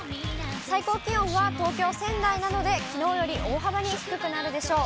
最高気温は東京、仙台などできのうより大幅に低くなるでしょう。